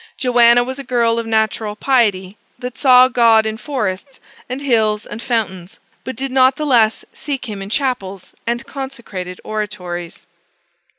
Joanna was a girl of natural piety, that saw God in forests, and hills, and fountains; but did not the less seek him in chapels and consecrated oratories.